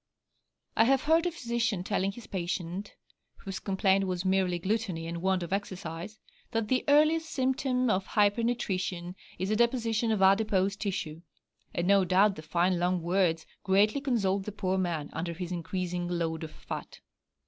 I have heard a physician telling his patient whose complaint was merely gluttony and want of exercise that 'the earliest symptom of hyper nutrition is a deposition of adipose tissue,' and no doubt the fine long words greatly consoled the poor man under his increasing load of fat.